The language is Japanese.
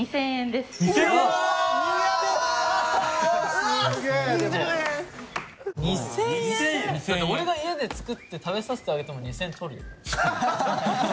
だって俺が家で作って食べさせてあげても２０００円取るよ？